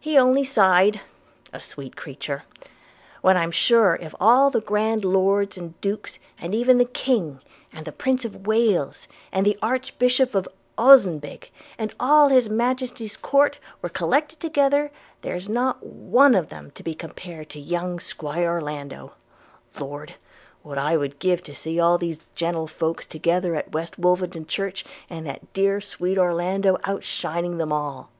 He only sighed, a sweet creature! – when I'm sure, if all the grand lords and dukes, and even the King, and the Prince of Wales, and the Archbishop of Osnabig, and all his Majesty's court, were to be collected together, there's not one of them to be compared to young 'Squire Orlando. – Lord! what would I give to see all these gentlefolks together at West Wolverton church, and that dear sweet Orlando outshining them all!'